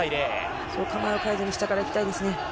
構えを変えずに下から行きたいですね。